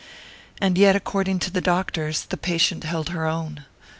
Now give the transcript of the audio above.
And yet, according to the doctors, the patient held her own.